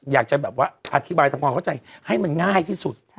อยากจะแบบว่าอธิบายทำความเข้าใจให้มันง่ายที่สุด